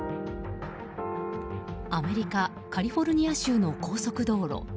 アメリカ・カリフォルニア州の高速道路。